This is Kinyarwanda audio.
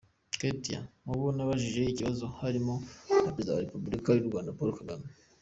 Ketia: Mubo nabajije ikibazo harimo na perezida wa repubulika y’u Rwanda, Paul Kagame.